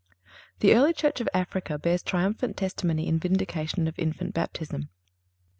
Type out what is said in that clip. (342) The early church of Africa bears triumphant testimony in vindication of infant baptism. St.